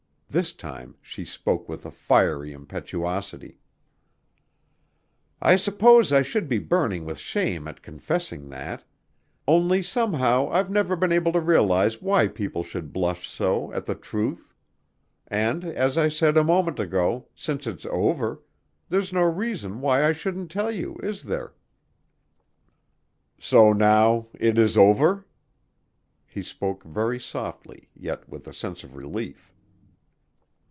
This time she spoke with a fiery impetuosity: "I suppose I should be burning with shame at confessing that ... only somehow I've never been able to realize why people should blush so at the truth ... and, as I said a moment ago, since it's over, there's no reason why I shouldn't tell you, is there?" "So now it is over?" He spoke very softly yet with a sense of relief.